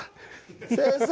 先生！